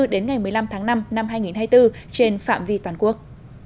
đến ngày một mươi năm tháng năm năm hai nghìn hai mươi bốn trên phạm vi toàn quốc